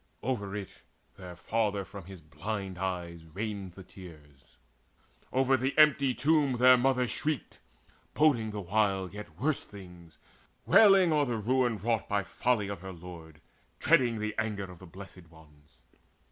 Over it Their father from his blind eyes rained the tears: Over the empty tomb their mother shrieked, Boding the while yet worse things, wailing o'er The ruin wrought by folly of her lord, Dreading the anger of the Blessed Ones.